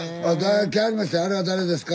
あれは誰ですか？